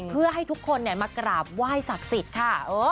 เพื่อให้ทุกคนมากราบไหว้ศักดิ์สิทธิ์ค่ะ